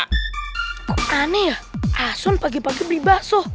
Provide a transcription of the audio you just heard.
kok aneh ya asun pagi pagi bebaso